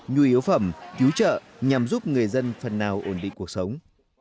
nhu yếu phẩm cứu trợ nhằm giúp người dân phần nào ổn định cuộc sống